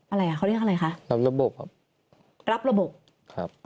อะไรอ่ะเขาเรียกอะไรคะรับระบบครับรับระบบครับ